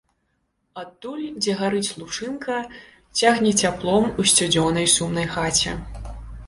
Адтуль, дзе гарыць лучынка, цягне цяплом у сцюдзёнай, сумнай хаце.